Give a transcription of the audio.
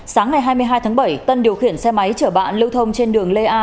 sáng ngày hai mươi hai tháng bảy tân điều khiển xe máy chở bạn lưu thông trên đường lê a